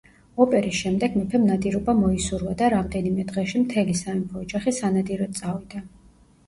ოპერის შემდეგ მეფემ ნადირობა მოისურვა და რამდენიმე დღეში მთელი სამეფო ოჯახი სანადიროდ წავიდა.